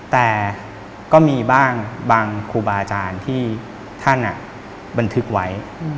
แต่ก็มีบ้างบางครูบาอาจารย์ที่ท่านบันทึกไว้